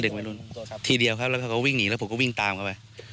พอเด็กวัยรุ่นทีเดียวครับแล้วเขาก็วิ่งหนีแล้วผมก็วิ่งตามเข้าไป